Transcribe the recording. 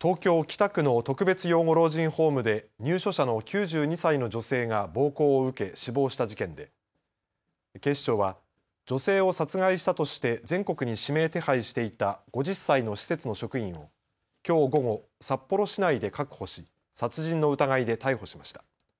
東京北区の特別養護老人ホームで入所者の９２歳の女性が暴行を受け死亡した事件で警視庁は女性を殺害したとして全国に指名手配していた５０歳の施設の職員をきょう午後、札幌市内で確保し殺人の疑いで逮捕しました。